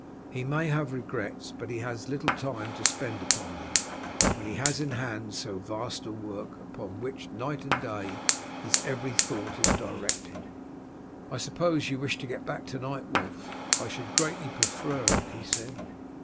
He may have regrets, but he has little time to spend upon them when he has in hand so vast a work, upon which night and day his every thought is directed." "I suppose you wish to get back to night, Wulf?" "I should greatly prefer it," he said.